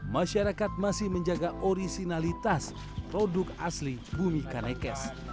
masyarakat masih menjaga orisinalitas produk asli bumi kanekes